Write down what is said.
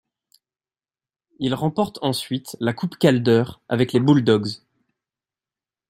Il remporte ensuite la Coupe Calder avec les Bulldogs.